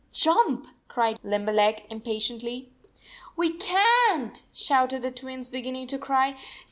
"Jump," cried Limberleg, impatiently. "We can t," shouted the Twins, begin ning to cry.